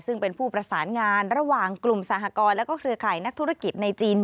ซึ่งเป็นผู้ประสานงานระหว่างกลุ่มสหกรณ์และเครือข่ายนักธุรกิจในจีน